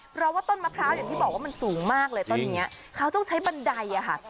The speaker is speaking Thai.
เพราะว่าต้นมะพร้าวอย่างที่บอกว่ามันสูงมากเลยต้นนี้เขาต้องใช้บันไดอ่ะค่ะ